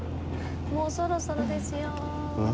もうそろそろですよ。ああ。